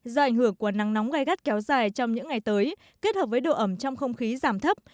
do ảnh hưởng của nắng nóng gai gắt kéo dài trong những ngày tới kết hợp với độ ẩm trong không khí giảm thấp